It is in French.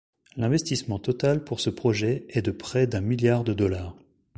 L'investissement total pour ce projet est de près d'un milliard de dollars.